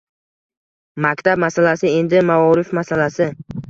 Maktab masalasi endi maorif masalasi.